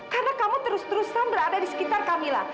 karena kamu terus terusan berada di sekitar kamila